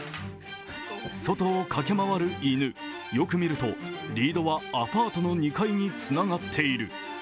外を駆け回る犬、よく見るとリードはアパートの２階につながっている。